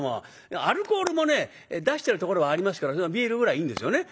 アルコールもね出してるところはありますからビールぐらいいいんですよね。